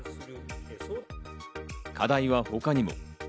課題は他にも。